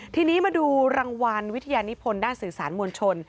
ทีนี้มาดูรางวัลวิทยานิพลด้านสื่อสารมวลชน